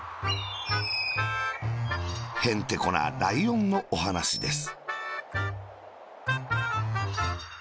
へんてこなライオンのおはなしです。